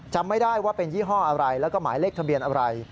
จำไม่ได้ว่าเป็นยี่ห้ออะไรแล้วก็หมายเลขทะเบียนอะไร